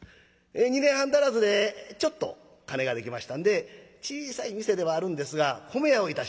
２年半足らずでちょっと金ができましたんで小さい店ではあるんですが米屋をいたします。